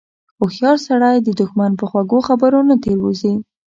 هوښیار سړی د دښمن په خوږو خبرو نه تیر وځي.